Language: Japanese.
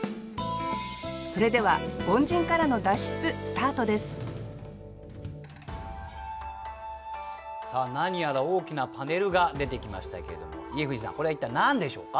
それでは「凡人からの脱出」スタートですさあ何やら大きなパネルが出てきましたけれども家藤さんこれは一体何でしょうか？